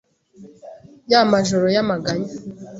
Ya majoro y’amaganya